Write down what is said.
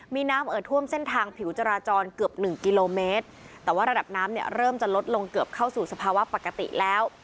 มีน้ำเอ่อท่วมเส้นทางผิวจราจรเกือบหนึ่งกิโลเมตรแต่ว่าระดับน้ำเนี่ยเริ่มจะลดลงเกือบเข้าสู่สภาวะปกติแล้ว